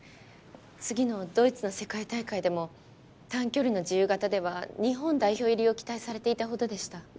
次のドイツの世界大会でも短距離の自由形では日本代表入りを期待されていたほどでした。